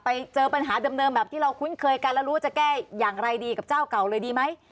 แล้วรู้ว่าจะแก้อย่างไรดีกับเจ้าเก่าเลยดีไหม